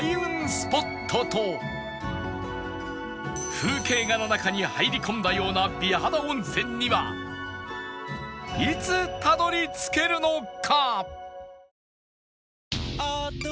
スポットと風景画の中に入り込んだような美肌温泉にはいつたどり着けるのか？